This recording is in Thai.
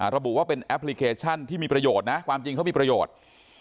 ระบุว่าเป็นแอปพลิเคชันที่มีประโยชน์นะความจริงเขามีประโยชน์